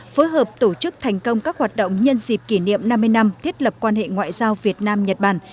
phối hợp tổ chức thành công các hoạt động nhân dịp kỷ niệm năm mươi năm thiết lập quan hệ ngoại giao việt nam nhật bản